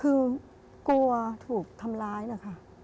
คือกลัวถูกทำร้ายนะคะ